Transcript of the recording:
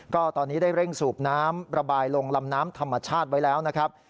ก็ตอนนี้ได้เร่งสูบน้ำระบายลงลำน้ำธรรมชาติไว้แล้วนะครับ